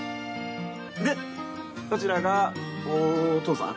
でそちらがお父さん？